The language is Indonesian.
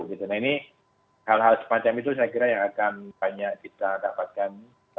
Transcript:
jadi hal hal sepanjang itu saya kira yang akan banyak kita dapatkan